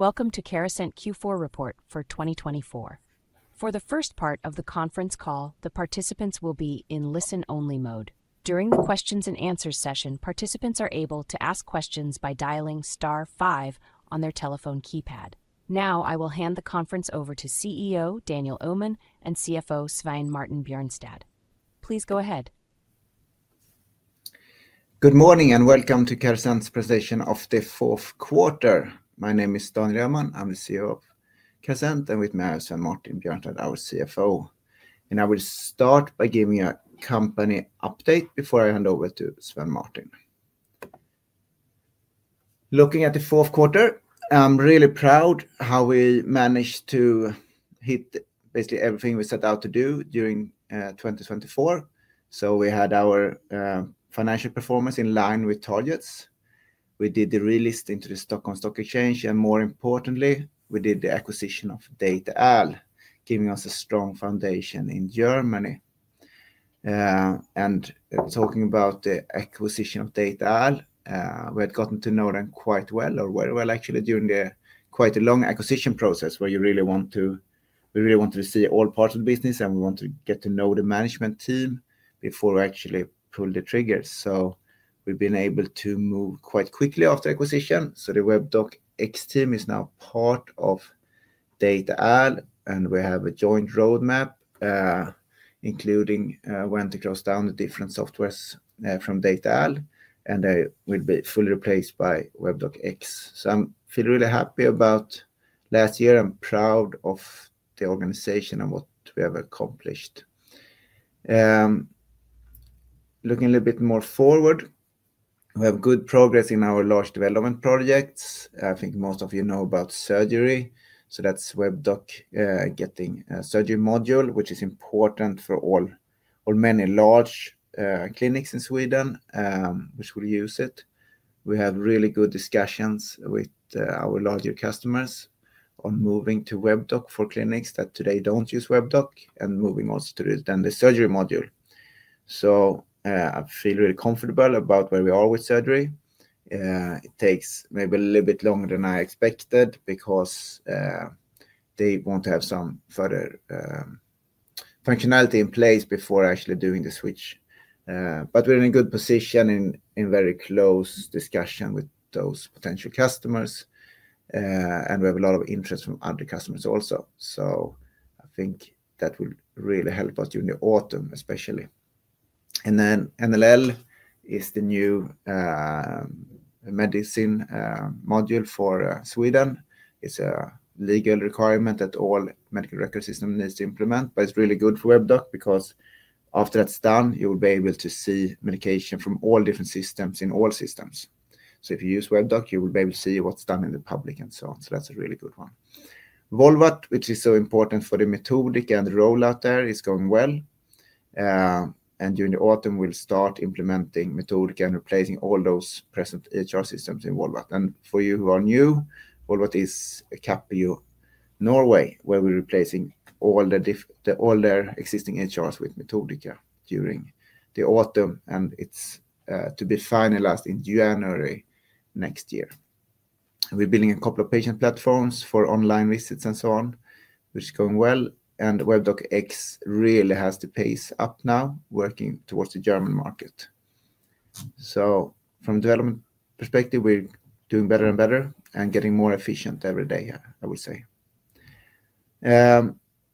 Welcome to Carasent Q4 report for 2024. For the first part of the conference call, the participants will be in listen-only mode. During the Q&A session, participants are able to ask questions by dialing *5 on their telephone keypad. Now, I will hand the conference over to CEO Daniel Öhman and Svein-Martin Bjørnstad. Please go ahead. Good morning and welcome to Carasent's presentation of the fourth quarter. My name is Daniel Öhman, I'm the CEO of Carasent, and with me I Svein-Martin Bjørnstad, our CFO. I will start by giving a company update before I hand over Svein-Martin. Looking at the fourth quarter, I'm really proud how we managed to hit basically everything we set out to do during 2024. We had our financial performance in line with targets. We did the release into the Stockholm Stock Exchange, and more importantly, we did the acquisition of Data-Al, giving us a strong foundation in Germany. Talking about the acquisition of Data-Al, we had gotten to know them quite well, or very well actually, during the quite a long acquisition process where you really want to, we really want to see all parts of the business, and we want to get to know the management team before we actually pull the triggers. We have been able to move quite quickly after acquisition. The Webdoc X team is now part of Data-Al, and we have a joint roadmap, including we went across down the different softwares from Data-Al, and they will be fully replaced by Webdoc X. I feel really happy about last year. I'm proud of the organization and what we have accomplished. Looking a little bit more forward, we have good progress in our large development projects. I think most of you know about surgery, so that's Webdoc getting a Surgery Module, which is important for all or many large clinics in Sweden, which will use it. We have really good discussions with our larger customers on moving to Webdoc for clinics that today do not use Webdoc, and moving also to then the Surgery Module. I feel really comfortable about where we are with surgery. It takes maybe a little bit longer than I expected because they want to have some further functionality in place before actually doing the switch. We are in a good position in very close discussion with those potential customers, and we have a lot of interest from other customers also. I think that will really help us during the autumn, especially. NLL is the new medicine module for Sweden. It's a legal requirement that all medical record systems need to implement, but it's really good for Webdoc because after that's done, you will be able to see medication from all different systems in all systems. If you use Webdoc, you will be able to see what's done in the public and so on. That's a really good one. Volvat, which is so important for the Methodika and the rollout there, is going well. During the autumn, we'll start implementing Methodika and replacing all those present HR systems in Volvat. For you who are new, Volvat is a Capio Norway where we're replacing all the older existing HRs with Methodika during the autumn, and it's to be finalized in January next year. We're building a couple of patient platforms for online visits and so on, which is going well. Webdoc X really has to pace up now, working towards the German market. From a development perspective, we're doing better and better and getting more efficient every day, I would say.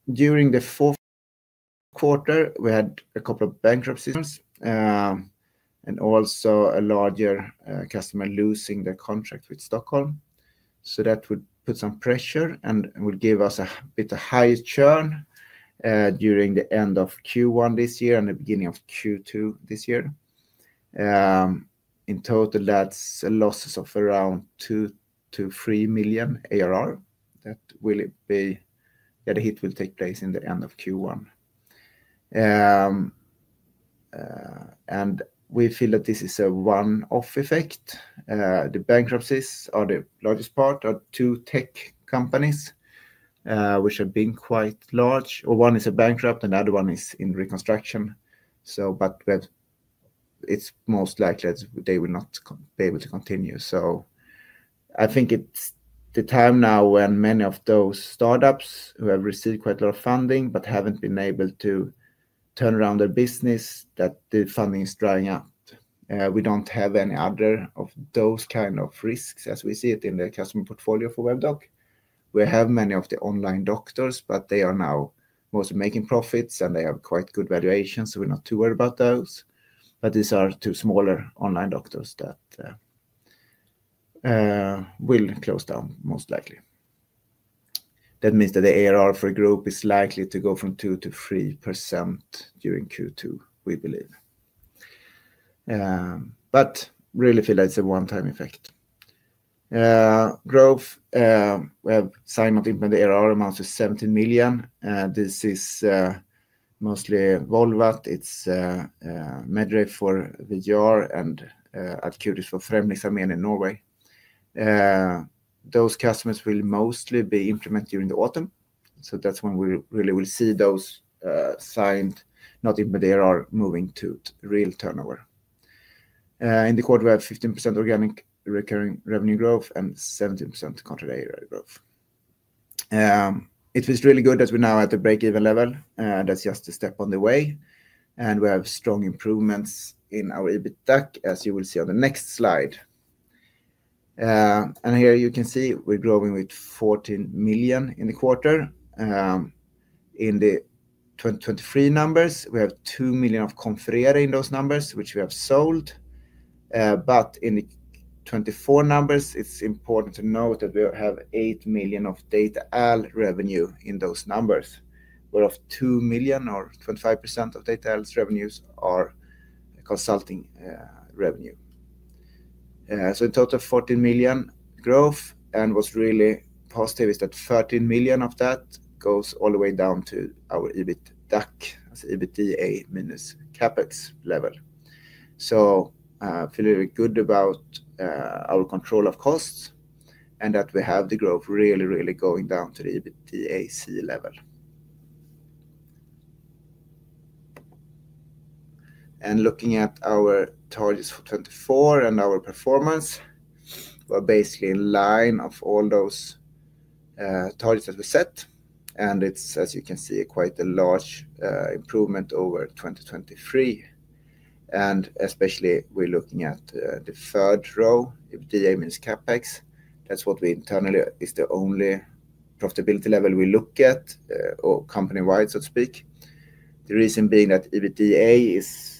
During the fourth quarter, we had a couple of bankrupt systems and also a larger customer losing their contract with Stockholm. That would put some pressure and would give us a bit of high churn during the end of Q1 this year and the beginning of Q2 this year. In total, that's a loss of around 2 million-3 million ARR that will be, that the hit will take place in the end of Q1. turn around their business, that the funding is drying up. We don't have any other of those kind of risks as we see it in the customer portfolio for Webdoc. We have many of the online doctors, but they are now mostly making profits and they have quite good valuations. So we're not too worried about those, but these are two smaller online doctors that will close down most likely. That means that the ARR for a group is likely to go from 2% to 3% during Q2, we believe. We really feel that it's a one-time effect. Growth, we have signed to implement, the ARR amount to 17 million. This is mostly Volvat. It's MedRave for VGR and Acutis is for Fremdlys Armeen in Norway. Those customers will mostly be implemented during the autumn. That's when we really will see those signed, not in the ARR moving to real turnover. In the quarter, we have 15% organic recurring revenue growth and 17% contract ARR growth. It feels really good that we now have the break-even level, and that's just a step on the way. We have strong improvements in our EBITDA, as you will see on the next slide. Here you can see we're growing with 14 million in the quarter. In the 2023 numbers, we have 2 million of Confrere in those numbers, which we have sold. In the 2024 numbers, it's important to note that we have 8 million of Data-Al revenue in those numbers, where 2 million or 25% of Data-Al's revenues are consulting revenue. In total, 14 million growth. What's really positive is that 13 million of that goes all the way down to our EBITDA, as EBITDA minus CapEx level. I feel really good about our control of costs and that we have the growth really, really going down to the EBITDA C level. Looking at our targets for 2024 and our performance, we're basically in line with all those targets that we set. It is, as you can see, quite a large improvement over 2023. Especially when looking at the third row, EBITDA minus Capex. That is what we internally see as the only profitability level we look at company-wide, so to speak. The reason being that EBITDA is,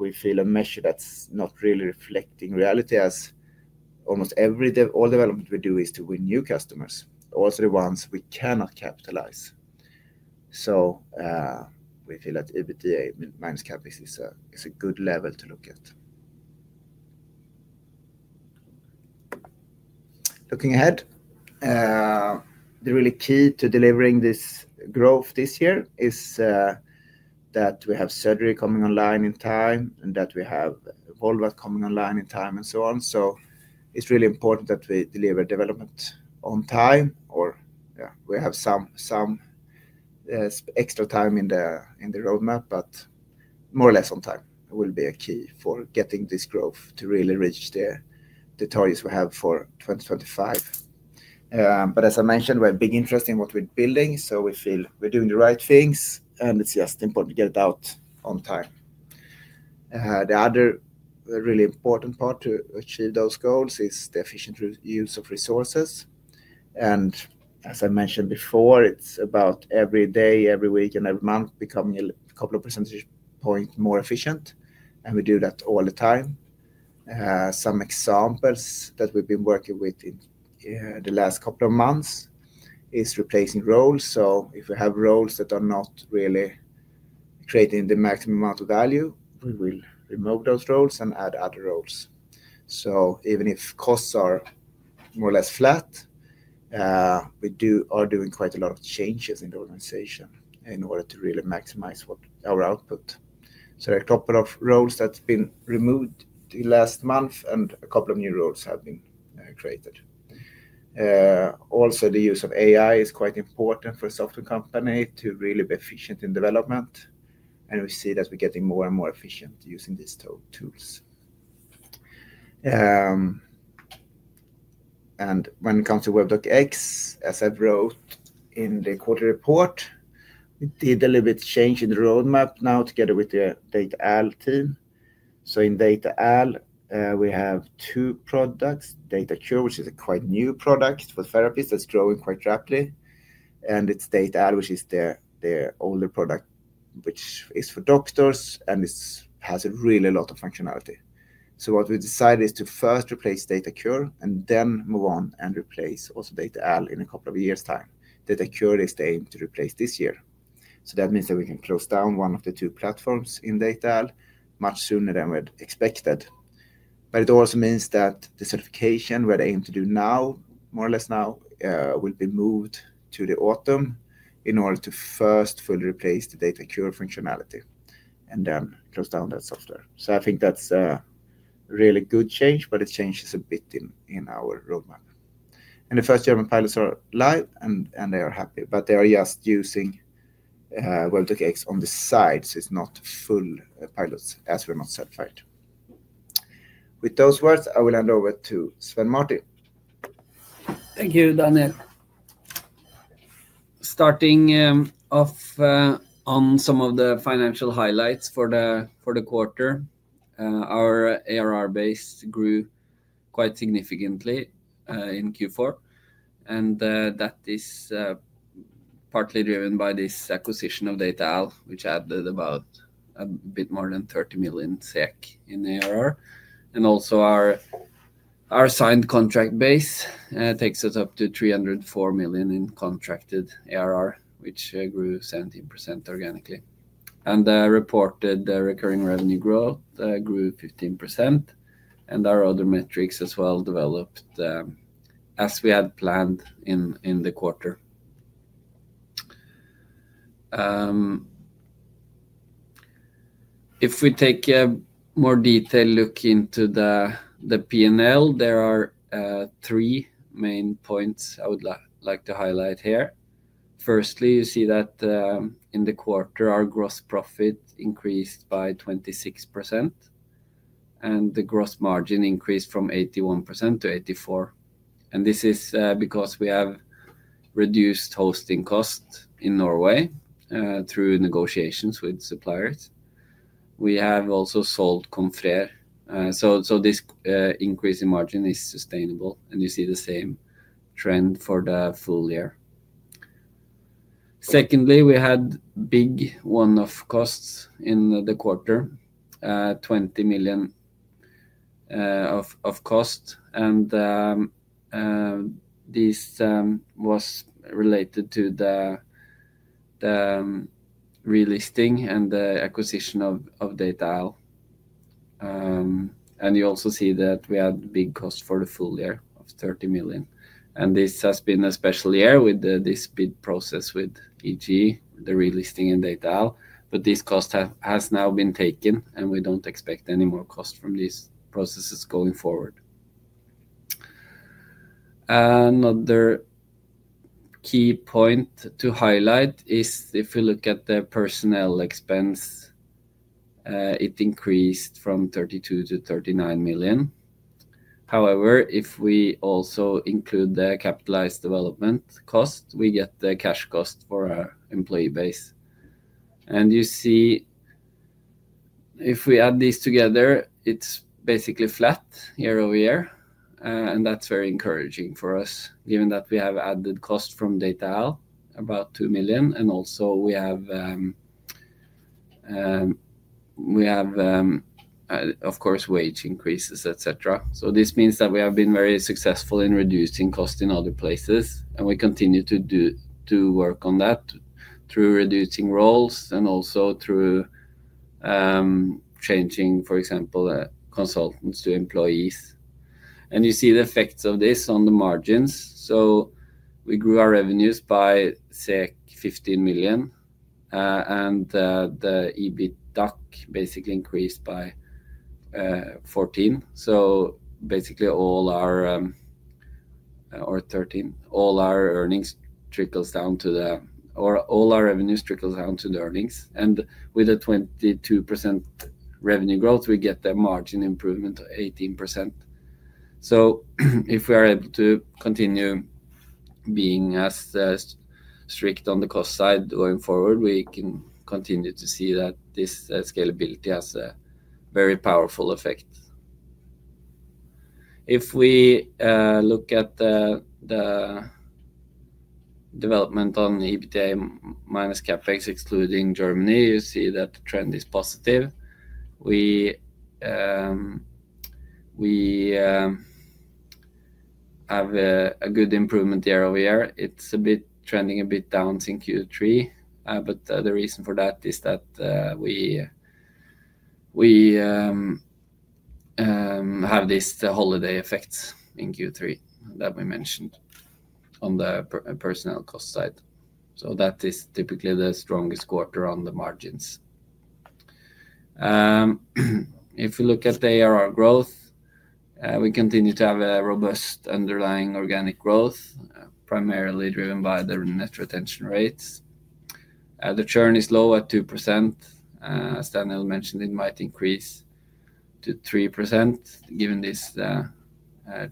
we feel, a measure that's not really reflecting reality, as almost all development we do is to win new customers, also the ones we cannot capitalize. We feel that EBITDA minus Capex is a good level to look at. Looking ahead, the really key to delivering this growth this year is that we have surgery coming online in time and that we have Volvat coming online in time and so on. It is really important that we deliver development on time, or yeah, we have some extra time in the roadmap, but more or less on time will be a key for getting this growth to really reach the targets we have for 2025. As I mentioned, we have big interest in what we're building. We feel we're doing the right things, and it's just important to get it out on time. The other really important part to achieve those goals is the efficient use of resources. As I mentioned before, it's about every day, every week, and every month becoming a couple of percentage points more efficient. We do that all the time. Some examples that we've been working with in the last couple of months is replacing roles. If we have roles that are not really creating the maximum amount of value, we will remove those roles and add other roles. Even if costs are more or less flat, we are doing quite a lot of changes in the organization in order to really maximize our output. There are a couple of roles that have been removed the last month, and a couple of new roles have been created. Also, the use of AI is quite important for a software company to really be efficient in development. We see that we're getting more and more efficient using these tools. When it comes to Webdoc X, as I wrote in the quarter report, we did a little bit change in the roadmap now together with the Data-Al team. In Data-Al, we have two products, DataCure, which is a quite new product for therapists that's growing quite rapidly, and Data-Al, which is their older product, which is for doctors and has really a lot of functionality. What we decided is to first replace DataCure and then move on and replace also Data-Al in a couple of years' time. DataCure is the aim to replace this year. That means that we can close down one of the two platforms in Data-Al much sooner than we'd expected. But it also means that the certification we're aiming to do now, more or less now, will be moved to the autumn in order to first fully replace the DataCure functionality and then close down that software. I think that's a really good change, but it changes a bit in our roadmap. The first German pilots are live and they are happy, but they are just using Webdoc X on the side. It's not full pilots as we're not certified. With those words, I will hand over to Svein-Martin. Thank you, Daniel. Starting off, on some of the financial highlights for the quarter, our ARR base grew quite significantly in Q4. That is partly driven by this acquisition of Data-Al, which added about a bit more than 30 million SEK in ARR. Also, our signed contract base takes us up to 304 million in contracted ARR, which grew 17% organically. The reported recurring revenue growth grew 15%. Our other metrics as well developed as we had planned in the quarter. If we take a more detailed look into the P&L, there are three main points I would like to highlight here. Firstly, you see that in the quarter, our gross profit increased by 26% and the gross margin increased from 81% to 84%. This is because we have reduced hosting costs in Norway through negotiations with suppliers. We have also sold Confrere, so this increase in margin is sustainable. You see the same trend for the full year. Secondly, we had big one-off costs in the quarter, 20 million of cost. This was related to the relisting and the acquisition of Data-Al. You also see that we had big costs for the full year of 30 million. This has been a special year with this bid process with EG, the relisting, and Data-Al. This cost has now been taken, and we do not expect any more costs from these processes going forward. Another key point to highlight is if we look at the personnel expense, it increased from 32 million to 39 million. However, if we also include the capitalized development cost, we get the cash cost for our employee base. You see if we add these together, it is basically flat year over year. That is very encouraging for us, given that we have added cost from Data-Al, about 2 million. Also, we have, of course, wage increases, et cetera. This means that we have been very successful in reducing costs in other places. We continue to work on that through reducing roles and also through changing, for example, consultants to employees. You see the effects of this on the margins. We grew our revenues by 15 million, and the EBITDA basically increased by 14, so basically all our, or 13, all our earnings trickles down to the, or all our revenues trickles down to the earnings. With a 22% revenue growth, we get the margin improvement of 18%. If we are able to continue being as strict on the cost side going forward, we can continue to see that this scalability has a very powerful effect. If we look at the development on EBITDA minus Capex, excluding Germany, you see that the trend is positive. We have a good improvement year over year. It's trending a bit down since Q3. The reason for that is that we have this holiday effect in Q3 that we mentioned on the personnel cost side. That is typically the strongest quarter on the margins. If we look at the ARR growth, we continue to have a robust underlying organic growth, primarily driven by the net retention rates. The churn is low at 2%. As Daniel mentioned, it might increase to 3% given this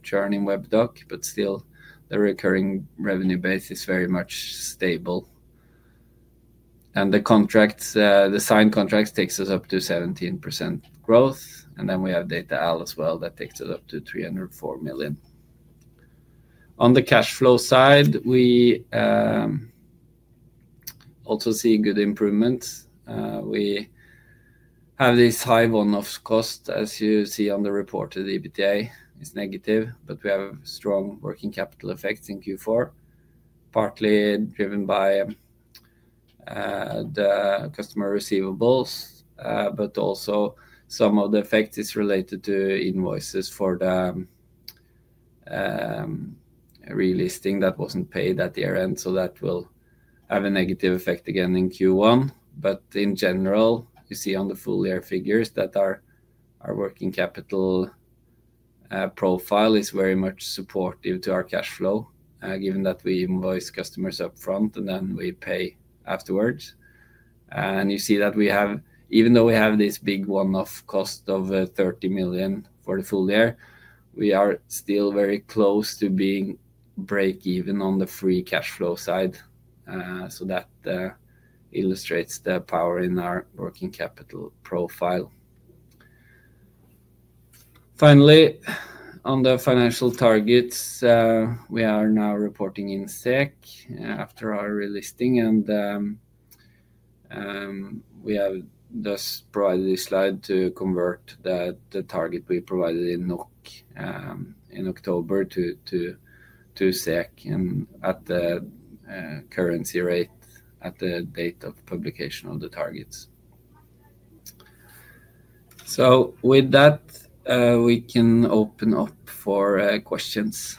churn in Webdoc, but still the recurring revenue base is very much stable. The signed contracts take us up to 17% growth. We have Data-Al as well that takes us up to 304 million. On the cash flow side, we also see good improvements. We have this high one-off cost, as you see on the report, so the EBITDA is negative, but we have strong working capital effects in Q4, partly driven by the customer receivables. Also, some of the effect is related to invoices for the relisting that were not paid at the year end. That will have a negative effect again in Q1. In general, you see on the full year figures that our working capital profile is very much supportive to our cash flow, given that we invoice customers upfront and then we pay afterwards. You see that even though we have this big one-off cost of 30 million for the full year, we are still very close to being break-even on the free cash flow side. That illustrates the power in our working capital profile. Finally, on the financial targets, we are now reporting in SEK after our relisting. We have just provided this slide to convert the target we provided in NOK in October to SEK at the currency rate at the date of publication of the targets. With that, we can open up for questions.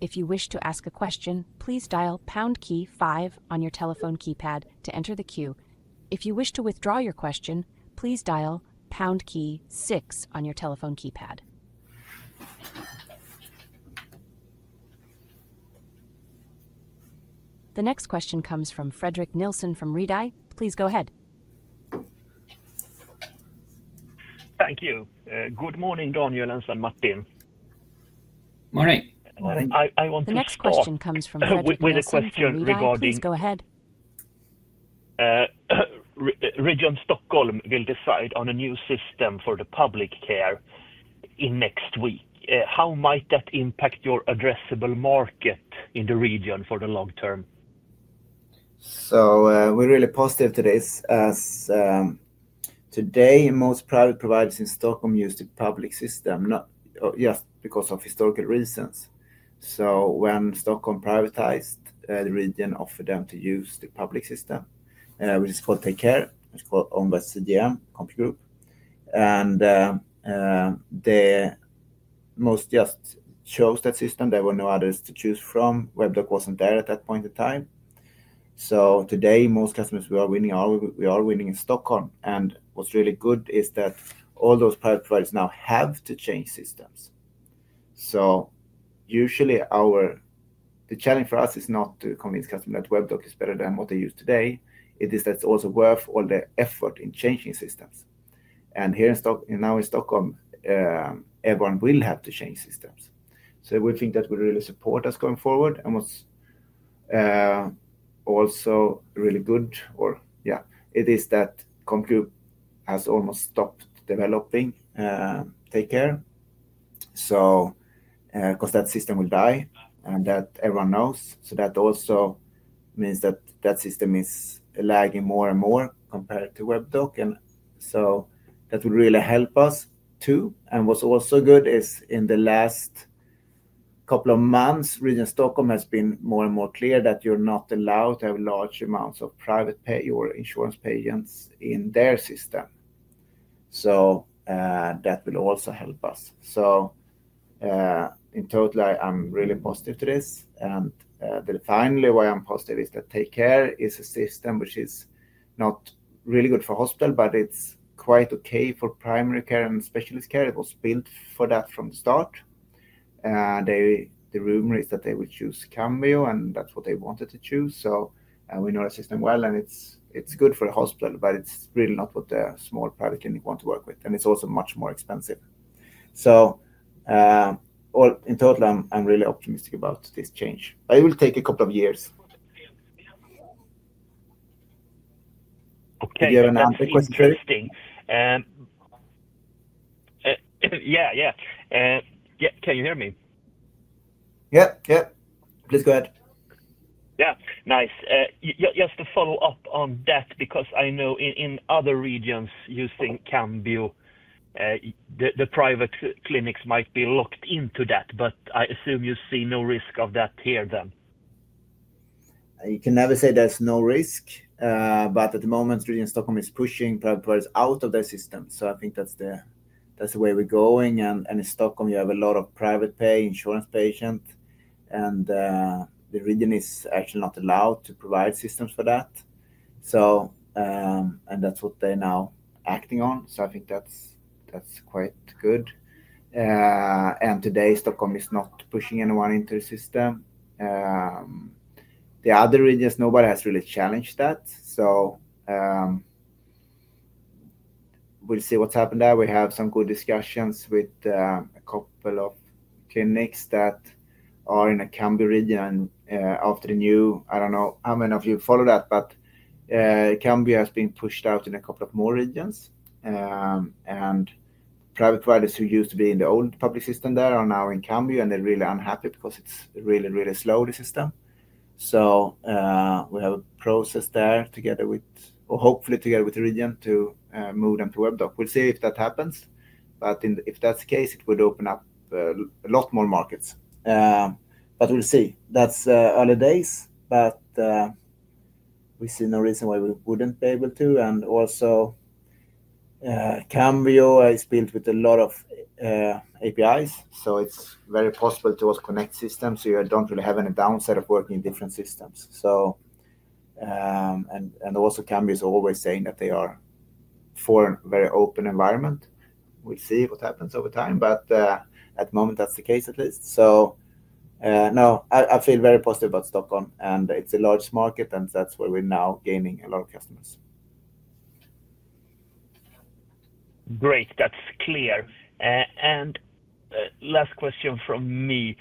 If you wish to ask a question, please dial pound key five on your telephone keypad to enter the queue. If you wish to withdraw your question, please dial pound key six on your telephone keypad. The next question comes from Fredrik Nilsson from Redeye. Please go ahead. Thank you. Good morning, Daniel and Svein-Martin. Morning. I want to ask a question. The next question comes from Fredrik Nilsson with a question regarding... Please go ahead. Region Stockholm will decide on a new system for the public care in next week. How might that impact your addressable market in the region for the long term? We are really positive today as today most private providers in Stockholm use the public system not just because of historical reasons. When Stockholm privatized, the region offered them to use the public system, which is called TakeCare, which is called OmvärldsCGM, CompuGroup. They most just chose that system. There were no others to choose from. Webdoc was not there at that point in time. Today, most customers we are winning are, we are winning in Stockholm. What is really good is that all those private providers now have to change systems. Usually our, the challenge for us is not to convince customers that Webdoc is better than what they use today. It is that it is also worth all the effort in changing systems. Here in Stockholm, now in Stockholm, everyone will have to change systems. We think that would really support us going forward. What's also really good, or yeah, it is that CompuGroup has almost stopped developing TakeCare. That system will die and everyone knows that. That also means that that system is lagging more and more compared to Webdoc. That would really help us too. What's also good is in the last couple of months, Region Stockholm has been more and more clear that you're not allowed to have large amounts of private pay or insurance payments in their system. That will also help us. In total, I'm really positive to this. Finally, why I'm positive is that TakeCare is a system which is not really good for hospital, but it's quite okay for primary care and specialist care. It was built for that from the start. They, the rumor is that they would choose Cambio, and that's what they wanted to choose. We know the system well and it's, it's good for a hospital, but it's really not what the small private clinic wants to work with. It's also much more expensive. In total, I'm really optimistic about this change. It will take a couple of years. Okay. Do you have an answer question? Interesting. Yeah, yeah. Yeah, can you hear me? Yeah, yeah. Please go ahead. YeahNice. Just to follow up on that, because I know in other regions using Cambio, the private clinics might be locked into that, but I assume you see no risk of that here then. You can never say there's no risk. At the moment, Region Stockholm is pushing private providers out of their system. I think that's the way we're going. In Stockholm, you have a lot of private pay, insurance patient. The region is actually not allowed to provide systems for that, and that's what they're now acting on. I think that's quite good. Today, Stockholm is not pushing anyone into the system. The other regions, nobody has really challenged that. We'll see what's happened there. We have some good discussions with a couple of clinics that are in the Cambio region. After the new, I don't know how many of you follow that, but Cambio has been pushed out in a couple of more regions, and private providers who used to be in the old public system there are now in Cambio. They're really unhappy because it's really, really slow, the system. We have a process there together with, or hopefully together with the region, to move them to Webdoc. We'll see if that happens. If that's the case, it would open up a lot more markets. We'll see. That's early days. We see no reason why we wouldn't be able to. Also, Cambio is built with a lot of APIs, so it's very possible to also connect systems. You don't really have any downside of working in different systems. Also, Cambio is always saying that they are for a very open environment. We'll see what happens over time. At the moment, that's the case at least. I feel very positive about Stockholm. It's a large market, and that's where we're now gaining a lot of customers. Great. That's clear. Last question from me.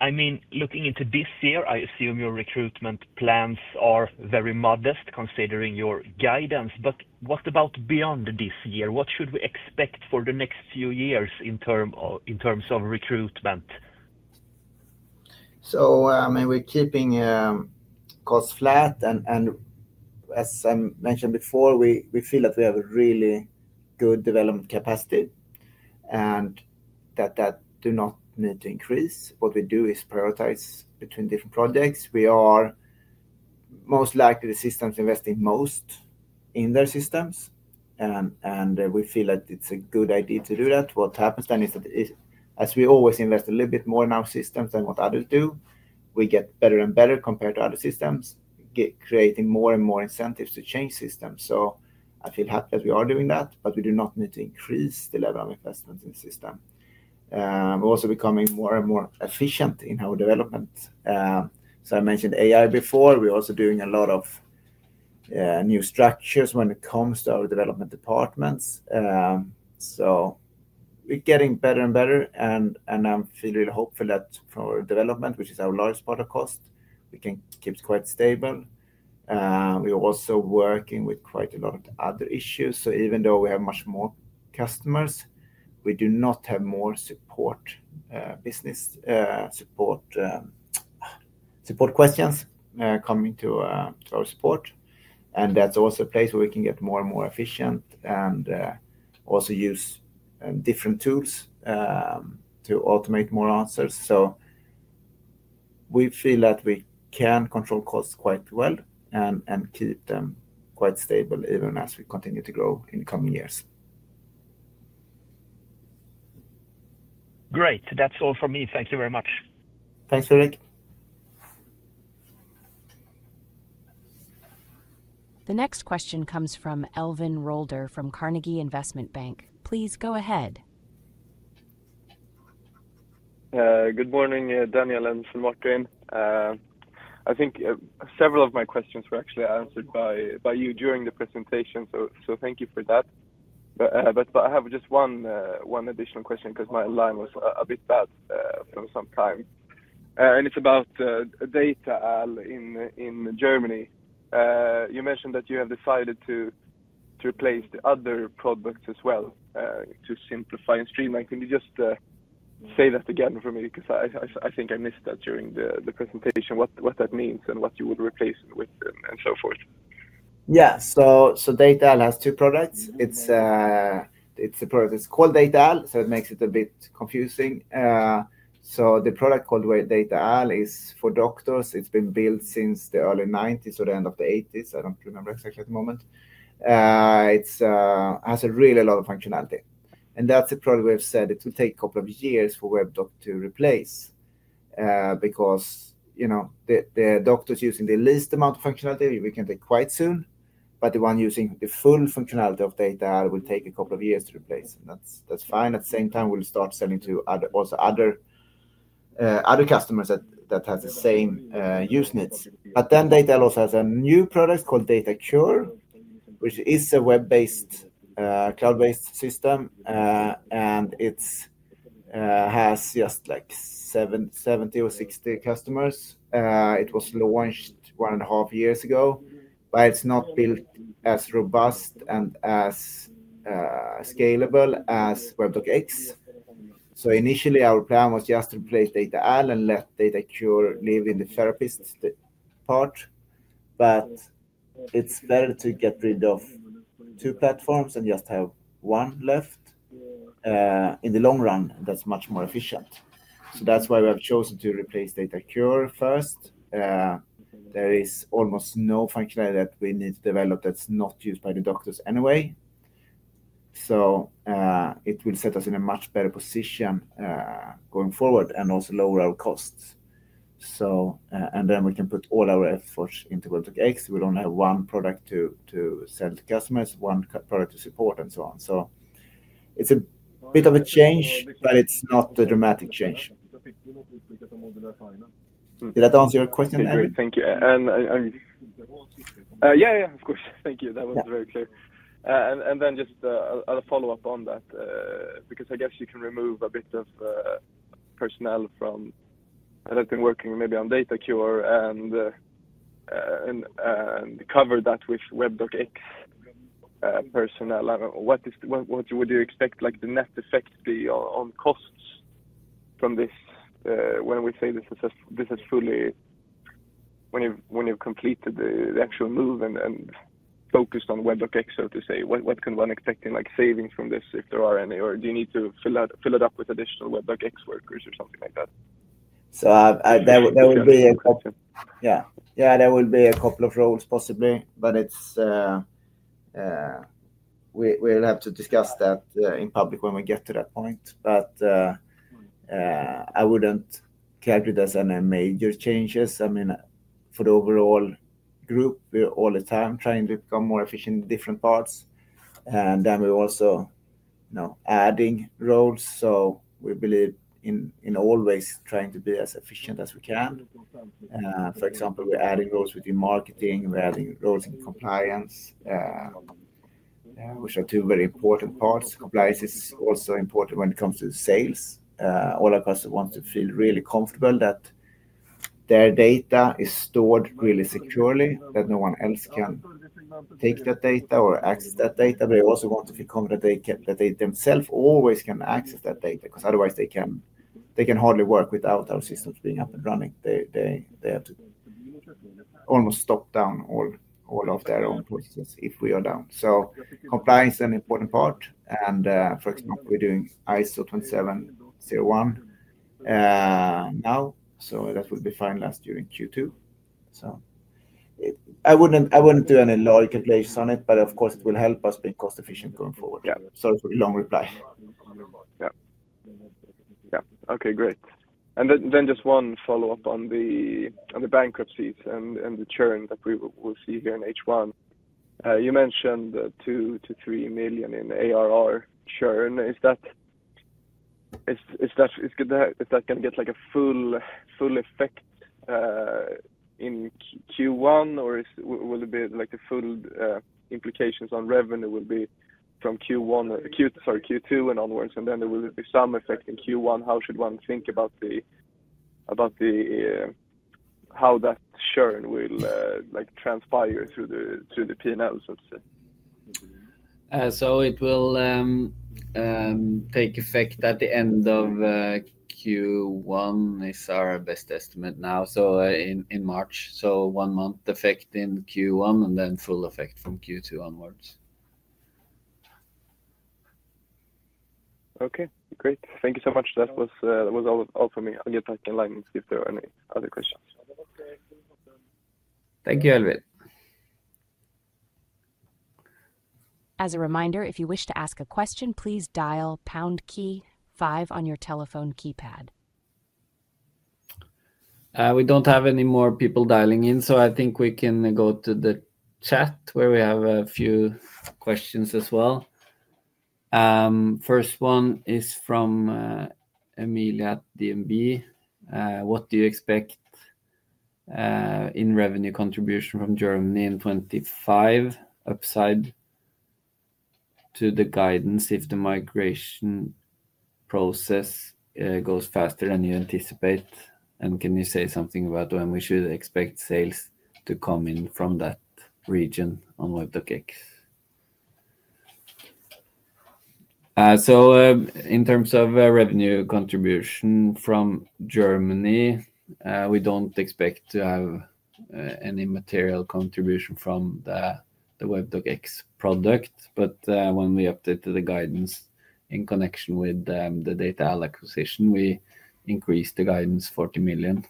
I mean, looking into this year, I assume your recruitment plans are very modest considering your guidance. What about beyond this year? What should we expect for the next few years in terms of recruitment? I mean, we're keeping costs flat. As I mentioned before, we feel that we have a really good development capacity and that that does not need to increase. What we do is prioritize between different projects. We are most likely the systems investing most in their systems. We feel that it's a good idea to do that. What happens then is that, as we always invest a little bit more in our systems than what others do, we get better and better compared to other systems, creating more and more incentives to change systems. I feel happy that we are doing that, but we do not need to increase the level of investment in the system. We're also becoming more and more efficient in our development. I mentioned AI before. We're also doing a lot of new structures when it comes to our development departments. We're getting better and better. I'm feeling really hopeful that for our development, which is our largest part of cost, we can keep it quite stable. We are also working with quite a lot of other issues. Even though we have much more customers, we do not have more support, business, support, support questions coming to our support. That's also a place where we can get more and more efficient and also use different tools to automate more answers. We feel that we can control costs quite well and keep them quite stable even as we continue to grow in coming years. Great. That's all from me. Thank you very much. Thanks, Frederic. The next question comes from Elvin Rølder from Carnegie Investment Bank. Please go ahead. Good morning, Daniel and Svein-Martin. I think several of my questions were actually answered by you during the presentation, so thank you for that. I have just one additional question because my line was a bit bad for some time, and it's about data in Germany. You mentioned that you have decided to replace the other products as well to simplify and streamline. Can you just say that again for me? Because I think I missed that during the presentation, what that means and what you would replace with them and so forth. Yeah. Data-Al has two products. It's a product that's called Data-Al, so it makes it a bit confusing. The product called Data-Al is for doctors. It's been built since the early 1990s or the end of the 1980s. I don't remember exactly at the moment. It has really a lot of functionality. That's a product we've said it will take a couple of years for Webdoc to replace, because, you know, the doctors using the least amount of functionality we can take quite soon. The ones using the full functionality of Data-Al will take a couple of years to replace. That's fine. At the same time, we'll start selling to other customers that have the same use needs. Data-Al also has a new product called DataCure, which is a web-based, cloud-based system, and it has just like 70 or 60 customers. It was launched one and a half years ago, but it's not built as robust and as scalable as Webdoc X. Initially, our plan was just to replace Data-Al and let DataCure live in the therapist part. It is better to get rid of two platforms and just have one left. In the long run, that's much more efficient. That is why we have chosen to replace DataCure first. There is almost no functionality that we need to develop that's not used by the doctors anyway. It will set us in a much better position, going forward and also lower our costs. Then we can put all our efforts into Webdoc X. We'll only have one product to sell to customers, one product to support and so on. It's a bit of a change, but it's not a dramatic change. Did that answer your question? Thank you. Yeah, yeah, of course. Thank you. That was very clear. And then just a follow-up on that, because I guess you can remove a bit of personnel from, I don't think, working maybe on DataCure and cover that with Webdoc X personnel. What would you expect the net effect be on costs from this, when we say this is fully, when you've completed the actual move and focused on Webdoc X, so to say, what can one expect in savings from this if there are any, or do you need to fill that, fill it up with additional Webdoc X workers or something like that? That would be a question. Yeah. There would be a couple of roles possibly, but we will have to discuss that in public when we get to that point. I would not characterize it as any major changes. I mean, for the overall group, we are all the time trying to become more efficient in different parts. We are also, you know, adding roles. We believe in always trying to be as efficient as we can. For example, we're adding roles within marketing. We're adding roles in compliance, which are two very important parts. Compliance is also important when it comes to sales. All our customers want to feel really comfortable that their data is stored really securely, that no one else can take that data or access that data. They also want to feel comfortable that they themselves always can access that data. Because otherwise they can hardly work without our systems being up and running. They have to almost stop down all of their own processes if we are down. Compliance is an important part. For example, we're doing ISO 27001 now. That will be finalized during Q2. I wouldn't do any large calculations on it, but of course it will help us being cost-efficient going forward. Yeah. It's a long reply. Yeah. Yeah. Okay. Great. Then just one follow-up on the bankruptcies and the churn that we will see here in H1. You mentioned two to three million in ARR churn. Is that going to get like a full effect in Q1 or will the full implications on revenue be from Q1 or Q2 and onwards? Then there will be some effect in Q1. How should one think about how that churn will transpire through the P&L, so to say? It will take effect at the end of Q1 is our best estimate now. In March. One month effect in Q1 and then full effect from Q2 onwards. Okay. Great. Thank you so much. That was all from me. I'll get back in line and see if there are any other questions. Thank you, Elvin. As a reminder, if you wish to ask a question, please dial pound key five on your telephone keypad. We don't have any more people dialing in, so I think we can go to the chat where we have a few questions as well. First one is from Emilia at DNB. What do you expect in revenue contribution from Germany in 2025, upside to the guidance if the migration process goes faster than you anticipate? And can you say something about when we should expect sales to come in from that region on Webdoc X? In terms of revenue contribution from Germany, we do not expect to have any material contribution from the Webdoc X product. When we updated the guidance in connection with the Data-Al acquisition, we increased the guidance 40 million.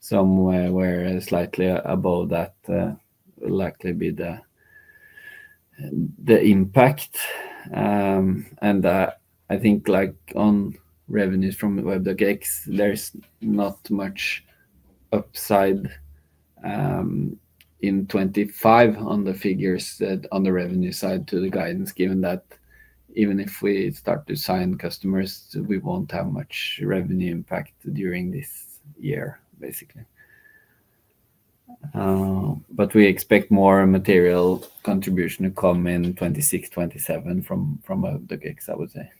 Somewhere slightly above that will likely be the impact. I think on revenues from Webdoc X, there is not much upside in 2025 on the figures on the revenue side to the guidance, given that even if we start to sign customers, we will not have much revenue impact during this year, basically. We expect more material contribution to come in 2026-2027 from Webdoc X, I would say.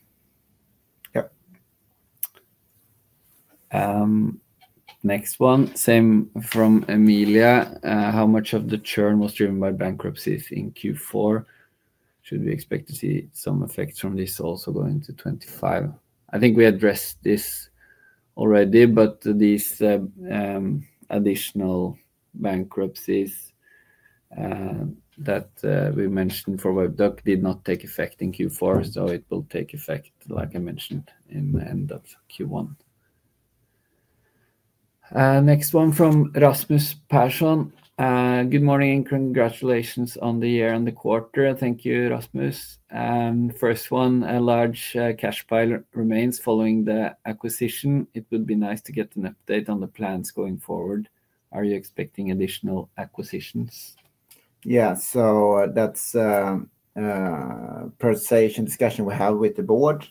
Next one, same from Emilia. How much of the churn was driven by bankruptcies in Q4? Should we expect to see some effects from this also going to 2025? I think we addressed this already, but these additional bankruptcies that we mentioned for Webdoc did not take effect in Q4. It will take effect, like I mentioned, in the end of Q1. Next one from Rasmus Persson. Good morning and congratulations on the year and the quarter. Thank you, Rasmus. First one, a large cash pile remains following the acquisition. It would be nice to get an update on the plans going forward. Are you expecting additional acquisitions? Yeah. That is per session discussion we have with the board.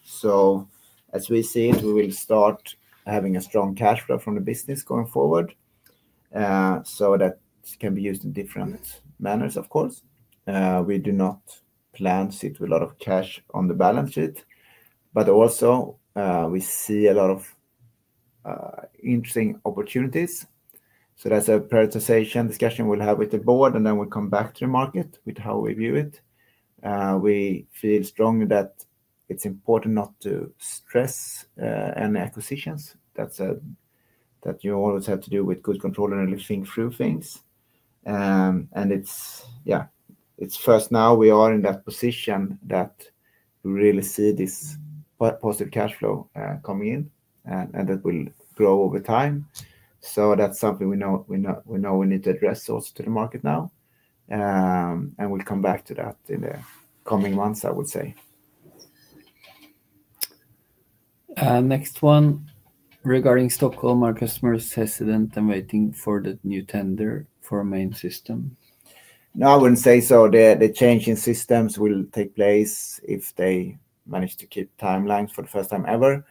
As we see it, we will start having a strong cash flow from the business going forward. That can be used in different manners, of course. We do not plan to sit with a lot of cash on the balance sheet, but also, we see a lot of interesting opportunities. That's a prioritization discussion we'll have with the board, and then we'll come back to the market with how we view it. We feel strongly that it's important not to stress any acquisitions. That you always have to do with good control and really think through things. It's first now we are in that position that we really see this positive cash flow coming in, and that will grow over time. That's something we know we need to address also to the market now. We'll come back to that in the coming months, I would say. Next one regarding Stockholm, our customer is hesitant and waiting for the new tender for a main system. No, I wouldn't say so. The change in systems will take place if they manage to keep timelines for the first time ever,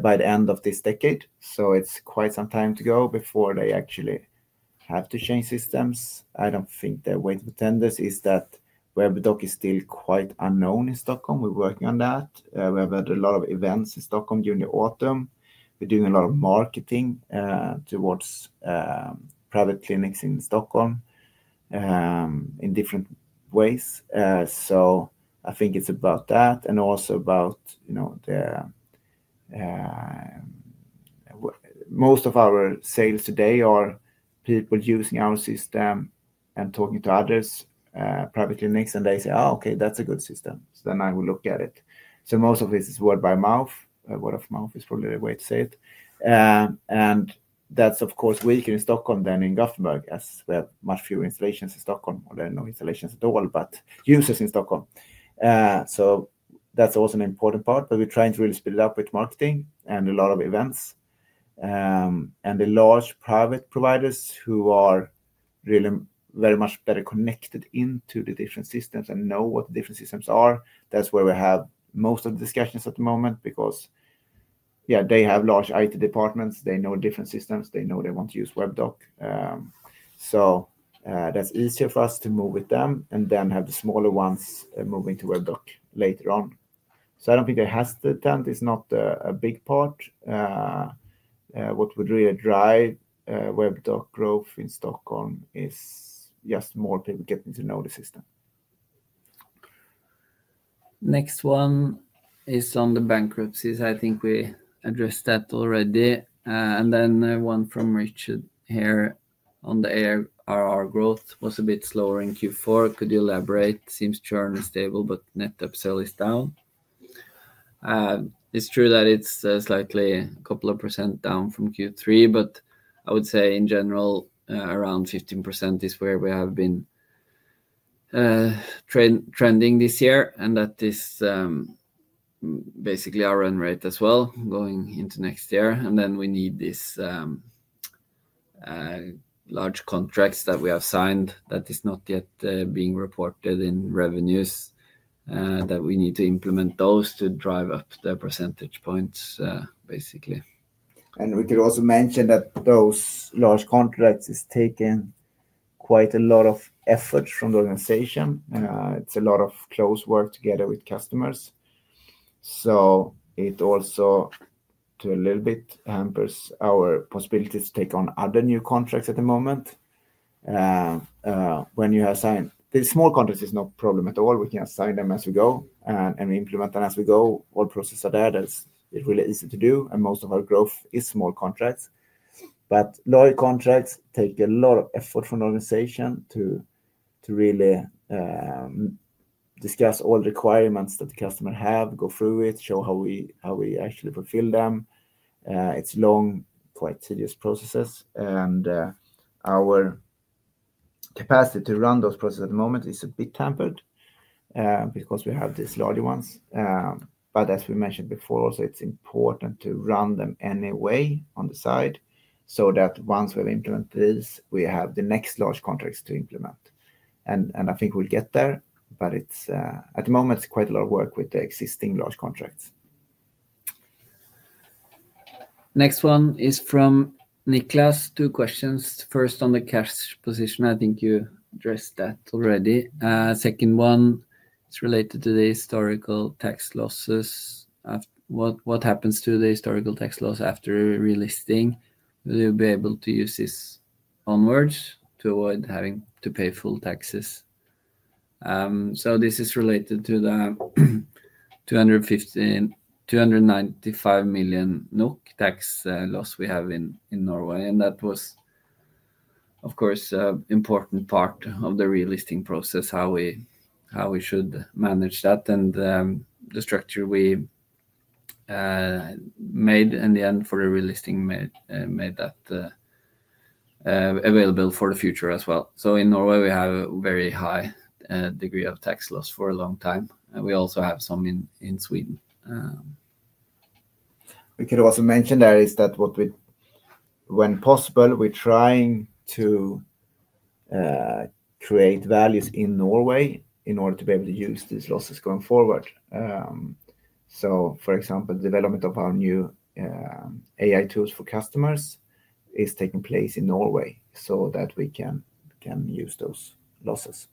by the end of this decade. It is quite some time to go before they actually have to change systems. I do not think they are waiting for tenders. Webdoc is still quite unknown in Stockholm. We are working on that. We have had a lot of events in Stockholm during the autumn. We are doing a lot of marketing towards private clinics in Stockholm, in different ways. I think it is about that and also about, you know, most of our sales today are people using our system and talking to others, private clinics, and they say, "Oh, okay, that is a good system." So then I will look at it. Most of it is word by mouth. Word of mouth is probably the way to say it. That's of course weaker in Stockholm than in Gothenburg, as we have much fewer installations in Stockholm or there are no installations at all, but users in Stockholm. That's also an important part, but we're trying to really split it up with marketing and a lot of events. The large private providers who are really very much better connected into the different systems and know what the different systems are, that's where we have most of the discussions at the moment because, yeah, they have large IT departments. They know different systems. They know they want to use Webdoc, so that's easier for us to move with them and then have the smaller ones moving to Webdoc later on. I don't think there has to, tend is not a big part. What would really drive Webdoc growth in Stockholm is just more people getting to know the system. Next one is on the bankruptcies. I think we addressed that already. Then one from Richard here on the ARR growth was a bit slower in Q4. Could you elaborate? Seems churn is stable, but net upsell is down. It is true that it is slightly a couple of percent down from Q3, but I would say in general, around 15% is where we have been trending this year. That is basically our run rate as well going into next year. We need these large contracts that we have signed that are not yet being reported in revenues. We need to implement those to drive up the percentage points, basically. We could also mention that those large contracts are taking quite a lot of effort from the organization. It's a lot of close work together with customers. It also a little bit hampers our possibilities to take on other new contracts at the moment. When you assign the small contracts, it's no problem at all. We can assign them as we go and implement them as we go. All processes are there. That's really easy to do. Most of our growth is small contracts, but large contracts take a lot of effort from the organization to really discuss all the requirements that the customer have, go through it, show how we actually fulfill them. It's long, quite tedious processes. Our capacity to run those processes at the moment is a bit hampered, because we have these larger ones. but as we mentioned before, also it's important to run them anyway on the side so that once we've implemented these, we have the next large contracts to implement. I think we'll get there, but it's, at the moment, it's quite a lot of work with the existing large contracts. Next one is from Niklas. Two questions. First, on the cash position, I think you addressed that already. Second one, it's related to the historical tax losses. What happens to the historical tax loss after relisting? Will you be able to use this onwards to avoid having to pay full taxes? This is related to the 250 million-295 million NOK tax loss we have in Norway. That was, of course, an important part of the relisting process, how we should manage that. The structure we made in the end for the relisting made that available for the future as well. In Norway, we have a very high degree of tax loss for a long time. We also have some in Sweden. We could also mention that what we, when possible, are trying to do is create values in Norway in order to be able to use these losses going forward. For example, the development of our new AI tools for customers is taking place in Norway so that we can use those losses.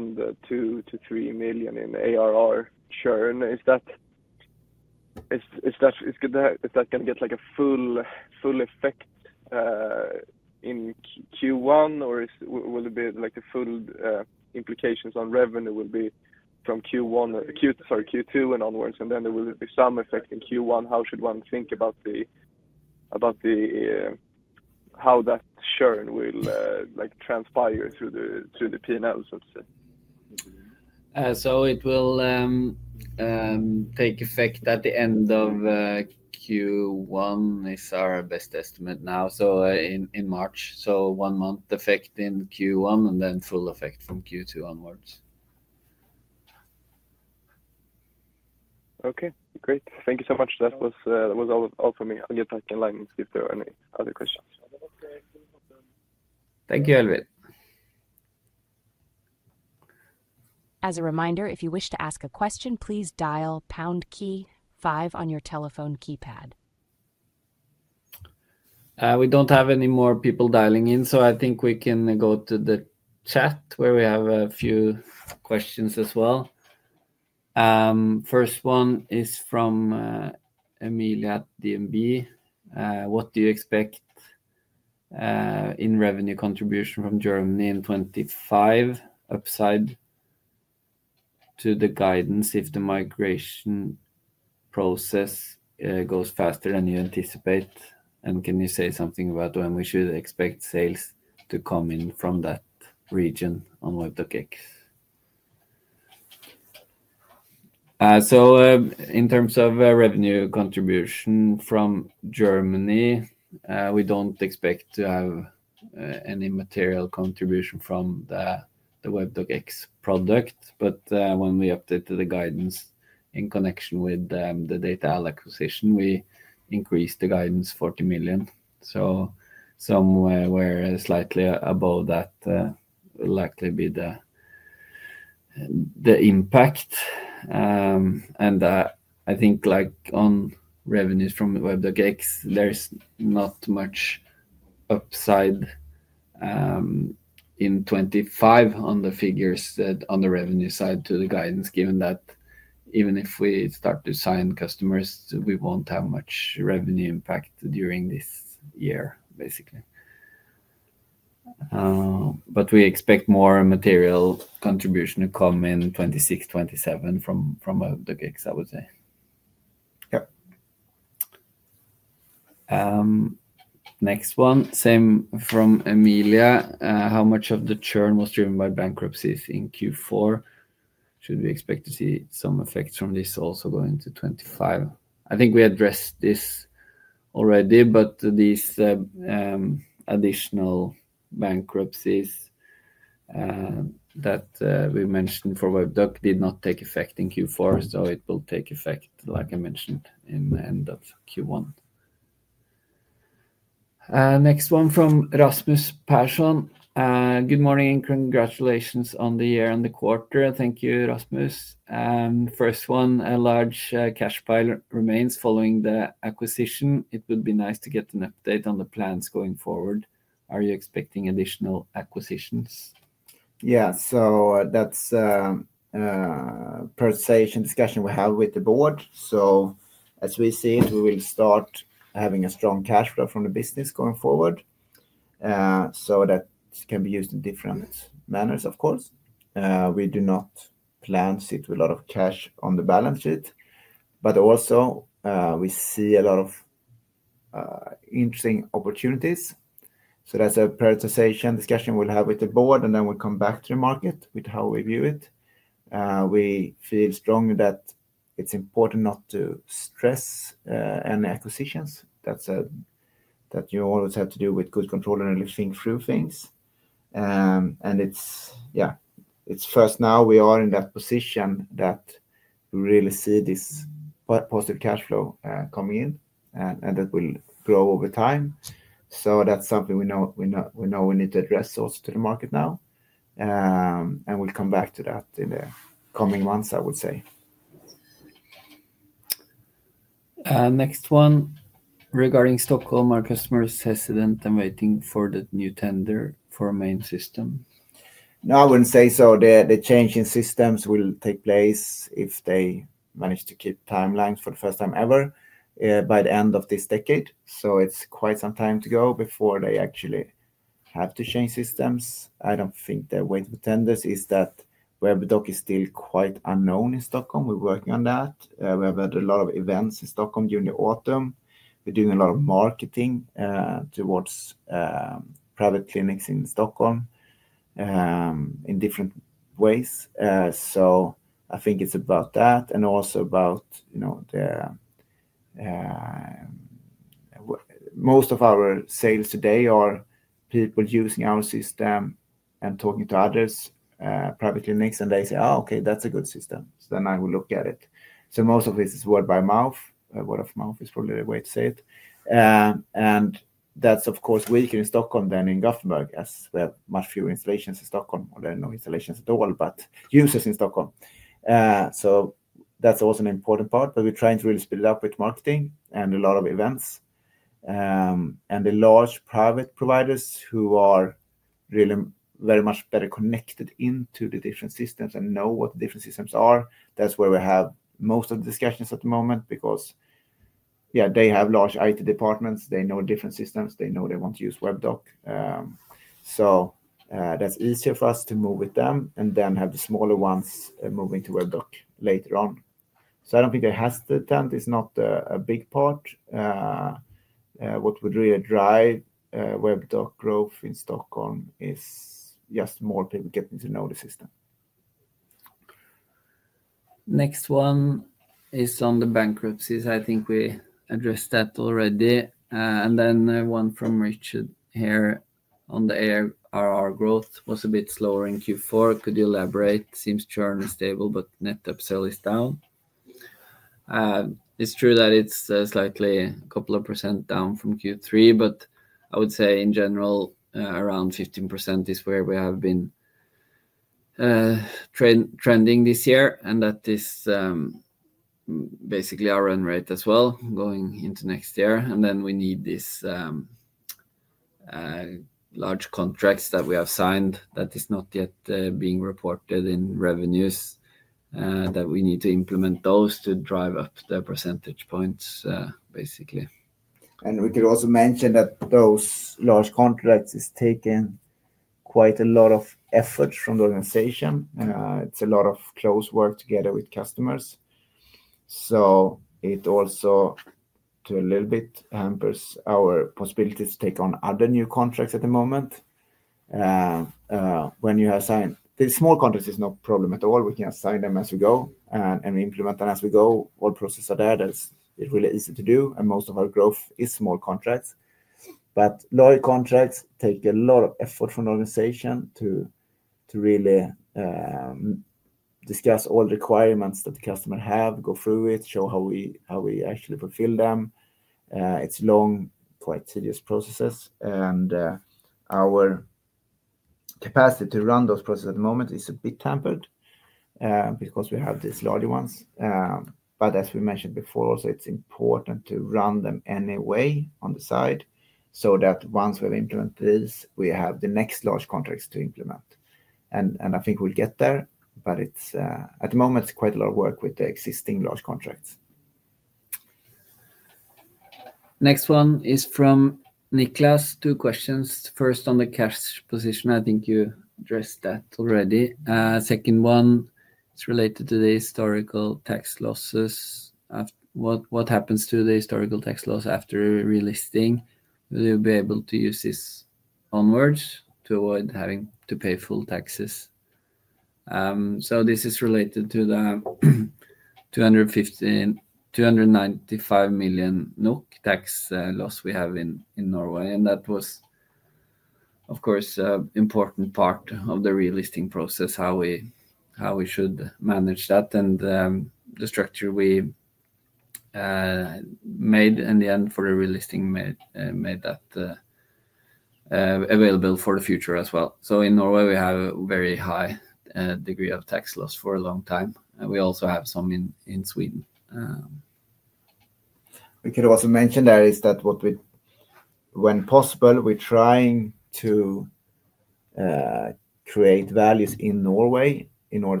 When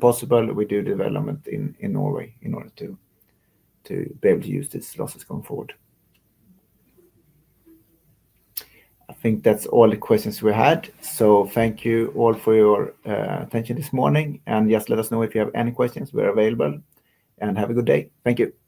possible, we do development in Norway in order to be able to use these losses going forward. I think that's all the questions we had. Thank you all for your attention this morning. Let us know if you have any questions. We're available and have a good day. Thank you.